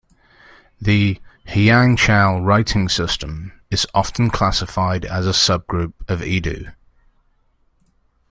The "hyangchal" writing system is often classified as a subgroup of Idu.